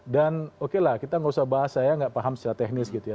dan oke lah kita enggak usah bahas saya enggak paham secara teknis gitu ya